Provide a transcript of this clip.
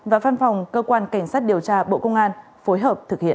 và văn phòng cơ quan cảnh sát điều tra bộ công an phối hợp thực hiện